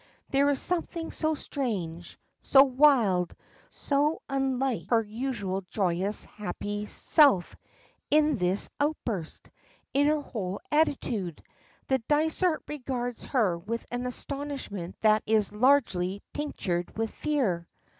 There is something so strange, so wild, so unlike her usual joyous, happy self in this outburst, in her whole attitude, that Dysart regards her with an astonishment that is largely tinctured with fear.